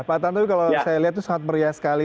pak tantowi kalau saya lihat itu sangat meriah sekali